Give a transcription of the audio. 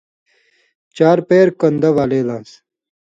چارچاپیر کن٘دہۡ والے لان٘س،